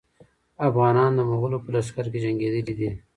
افغانان د مغولو په لښکرو کې جنګېدلي دي.